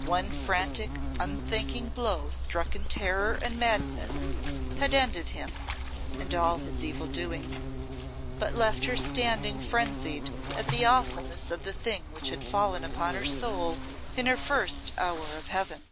One frantic, unthinking blow struck in terror and madness had ended him and all his evil doing, but left her standing frenzied at the awfulness of the thing which had fallen upon her soul in her first hour of Heaven.